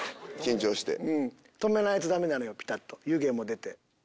止めないとダメなのよピタっと湯気も出て。